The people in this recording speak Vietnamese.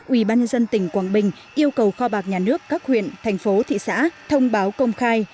ubnd tỉnh quang bình yêu cầu kho bạc nhà nước các huyện thành phố thị xã thông báo công khai